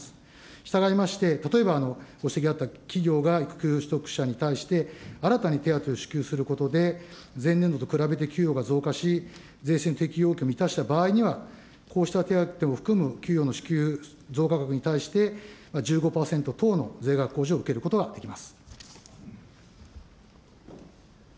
したがいまして、例えば、ご指摘あった、企業が育休取得者に対して、新たに手当を支給することで、前年度と比べて給与が増加し、税制適用要件を満たした場合には、こうした手当も含む給与の支給増加額に対して、１５％等の税額控除を受けることはできます。